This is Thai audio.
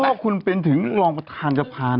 พ่อคุณเป็นถึงรองประธานกฐาน